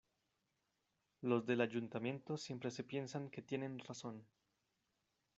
Los del ayuntamiento siempre se piensan que tienen razón.